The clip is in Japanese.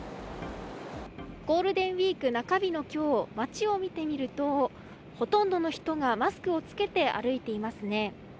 ゴールデンウィーク中日の今日街を見てみるとほとんどの人がマスクを着けて歩いていますね。